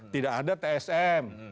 tidak ada tsm